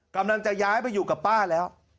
กำลังจะย้ายไปอยู่กับป้าแล้ว